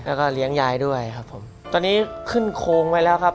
แล้วก็เลี้ยงยายด้วยครับผมตอนนี้ขึ้นโครงไว้แล้วครับ